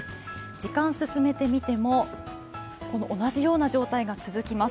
時間を進めてみても、同じような状態が続きます。